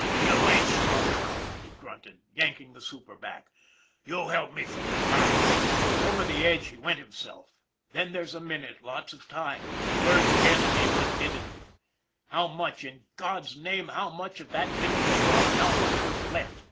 " You ain't strong enough," he grunted, yanking the super back. " You help me from the top " and over the edge he went himself. 272 ON THE IRON AT BIG CLOUD " Then there's a minute, lots of time !" the words came again unbidden. How much, in God's name how much, of that minute had gone, how much was left?